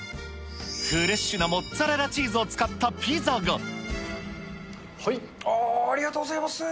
フレッシュなモッツァレラチありがとうございます！